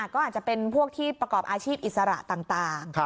ก็อาจจะเป็นพวกที่ประกอบอาชีพอิสระต่าง